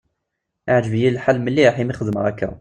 Iεǧeb-yi lḥal mliḥ imi xedmeɣ akka.